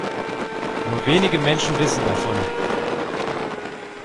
Nur wenige Menschen wissen davon.